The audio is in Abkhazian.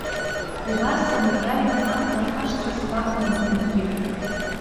Убысҟантәи иажәа-ҳәамҭа хашҭра сзақәлом бзанҵгьы…